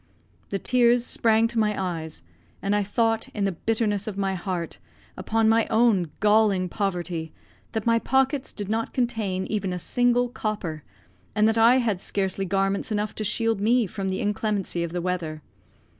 The tears sprang to my eyes, and I thought, in the bitterness of my heart, upon my own galling poverty, that my pockets did not contain even a single copper, and that I had scarcely garments enough to shield me from the inclemency of the weather.